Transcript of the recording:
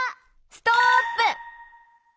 ストップ！